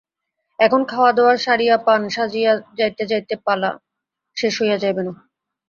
এখন খাওয়াদাওয়া সারিয়া পান সাজিয়া যাইতে যাইতে পালা শেষ হইয়া যাইবে না!